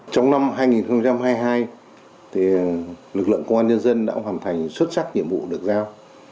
trong năm hai nghìn hai mươi hai lực lượng công an nhân dân đã hoàn thành xuất sắc nhiệm vụ được giao